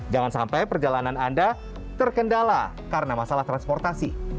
jangan sampai perjalanan anda terkendala karena masalah transportasi